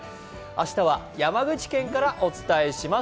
明日は山口県からお伝えします。